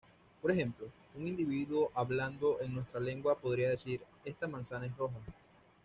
Por ejemplo, un individuo hablando en nuestra lengua podría decir "Esta manzana es roja".